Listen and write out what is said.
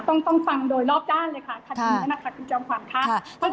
ต้องฟังโดยรอบด้านเลยค่ะ